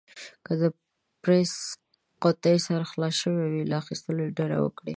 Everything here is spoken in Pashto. که د پرېس قوطي سر خلاص شوی وي، له اخيستلو يې ډډه وکړئ.